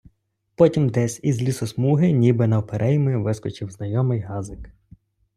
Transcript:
Потім десь із лісосмуги, ніби навперейми, вискочив знайомий газик.